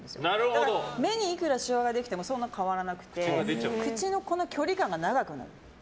だから目にいくらしわができてもそんなに変わらなくて口の距離感が長くなる。